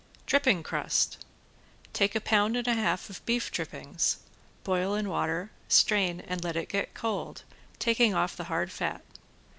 ~DRIPPING CRUST~ Take a pound and a half of beef drippings; boil in water, strain and let it get cold, taking off the hard fat.